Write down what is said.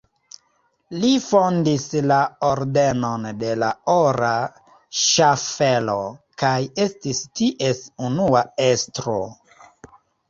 Li fondis la Ordenon de la Ora Ŝaffelo kaj estis ties unua estro.